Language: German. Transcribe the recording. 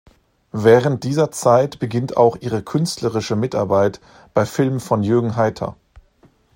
Während dieser Zeit beginnt auch ihre künstlerische Mitarbeit bei Filmen von Jürgen Heiter.